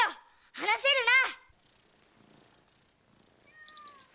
話せるな！